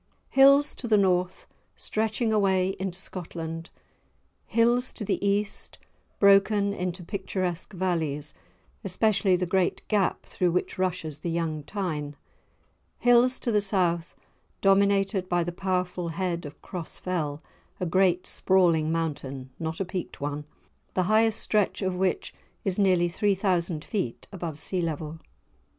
Hills to the north, stretching away into Scotland; hills to the east, broken into picturesque valleys, especially the great gap through which rushes the young Tyne; hills to the south, dominated by the powerful head of Cross Fell, a great sprawling mountain, not a peaked one, the highest stretch of which is nearly three thousand feet above sea level.